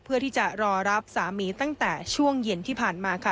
เพื่อที่จะรอรับสามีตั้งแต่ช่วงเย็นที่ผ่านมาค่ะ